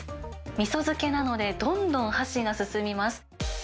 みそ漬けなので、どんどん箸が進みます。